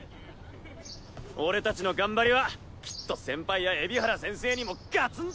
俺達の頑張りはきっと先輩や海老原先生にもガツン！